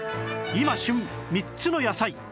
今旬３つの野菜